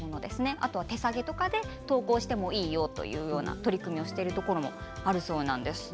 あとは手提げとかで登校してもいいよという取り組みをしているところもあるそうです。